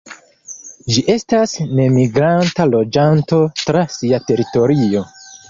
Ĝi estas nemigranta loĝanto tra sia teritorio.